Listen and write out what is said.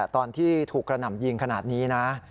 ตอนที่ถูกกระหน่ำยิงขนาดนี้นะ